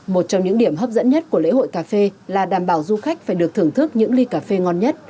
một trong những điểm hấp dẫn nhất của lễ hội cà phê là đảm bảo du khách phải được thưởng thức những ly cà phê ngon nhất